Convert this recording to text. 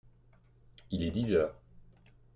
Il est dix heures.